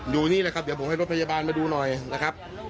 นี่แหละครับเดี๋ยวผมให้รถพยาบาลมาดูหน่อยนะครับ